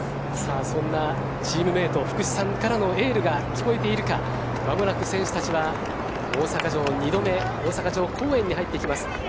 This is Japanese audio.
そんなチームメート福士さんからのエールが聞こえているのか間もなく選手たちは大阪城二度目大阪城公園に入ってきます。